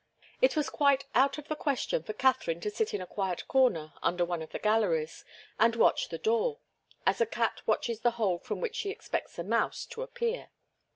It was quite out of the question for Katharine to sit in a quiet corner under one of the galleries, and watch the door, as a cat watches the hole from which she expects a mouse to appear.